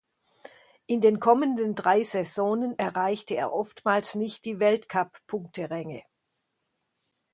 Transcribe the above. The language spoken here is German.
In den kommenden drei Saisonen erreichte er oftmals nicht die Weltcuppunkteränge.